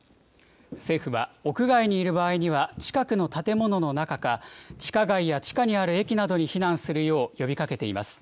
政府は屋外にいる場合には、近くの建物の中か、地下街や地下にある駅などに避難するよう呼びかけています。